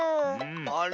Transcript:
あれ？